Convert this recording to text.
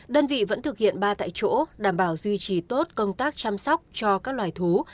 đơn vị vẫn thực hiện ba tại chỗ đảm bảo duy trì tốt công tác chăm sóc cho các loài thú